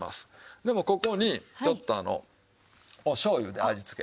でもここにちょっとお醤油で味付け。